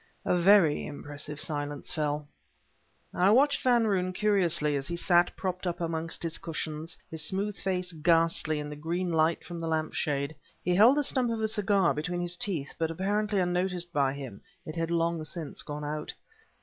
A very impressive silence fell. I watched Van Roon curiously as he sat propped up among his cushions, his smooth face ghastly in the green light from the lamp shade. He held the stump of a cigar between his teeth, but, apparently unnoticed by him, it had long since gone out.